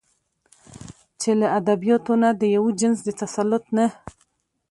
چې له ادبياتو نه د يوه جنس د تسلط نه